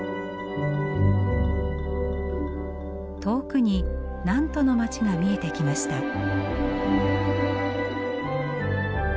遠くにナントの街が見えてきました。